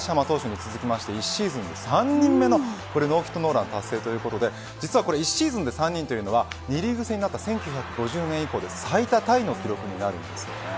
投手に続き１シーズン３人目のノーヒットノーラン達成ということで１シーズンで３人というのは２リーグ制になった１９５０年以降最多タイの記録になります。